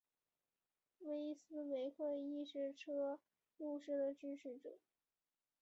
威斯维克亦是车路士的支持者。